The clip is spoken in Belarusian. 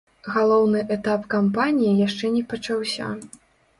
Галоўны этап кампаніі яшчэ не пачаўся.